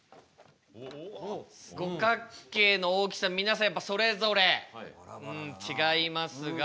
五角形の大きさ皆さんやっぱそれぞれ違いますが。